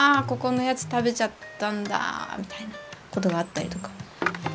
ここのやつ食べちゃったんだみたいなことがあったりとか。